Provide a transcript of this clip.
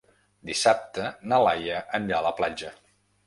Dissabte na Laia anirà a la platja.